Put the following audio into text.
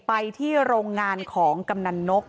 ไปที่โรงงานของกำนันนก